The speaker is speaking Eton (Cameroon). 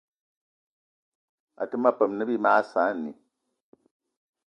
Até ma peum ne bí mag saanì